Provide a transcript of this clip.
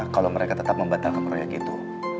kalau mereka tetap membatalkan proyek itu